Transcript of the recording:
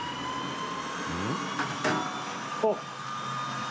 あっ。